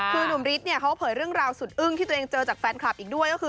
คือนุ่มฤทธิ์เขาเผยเรื่องราวสุดอึ้งที่เจอจากแฟนคลับอีกด้วย